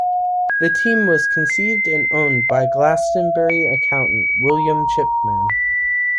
The team was conceived and owned by Glastonbury accountant William Chipman.